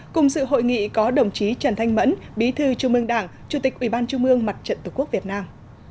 cùng sự hội nghị có đồng chí trần thanh mẫn bí thư trung ương đảng chủ tịch ủy ban trung ương mặt trận tổ quốc việt nam